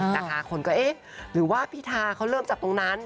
นะคะคนก็เอ๊ะหรือว่าพิธาเขาเริ่มจากตรงนั้น